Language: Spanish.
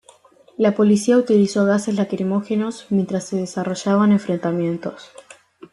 La Policía utilizó gases lacrimógenos, mientras se desarrollaban enfrentamientos.